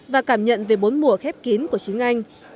và cảm nhận về bốn mùa khép kín của chính anh